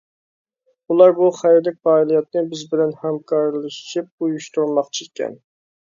ئۇلار بۇ خەيرلىك پائالىيەتنى بىز بىلەن ھەمكارلىشىپ ئۇيۇشتۇرماقچى ئىكەن.